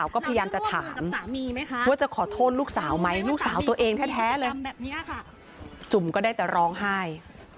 ก็จะขอโทษลูกสาวไหมลูกสาวตัวเองแท้แท้เลยแบบเนี้ยค่ะจุ๋มก็ได้แต่ร้องไห้